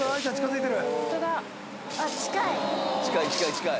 近い！